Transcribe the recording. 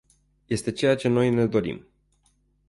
Este ceea ce noi ne dorim.